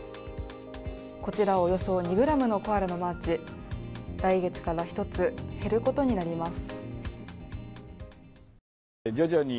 こちらおよそ２ｇのコアラのマーチ、来月から１つ減ることになります。